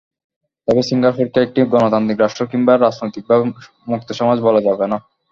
তবু সিঙ্গাপুরকে একটি গণতান্ত্রিক রাষ্ট্র কিংবা রাজনৈতিকভাবে মুক্ত সমাজ বলা যাবে না।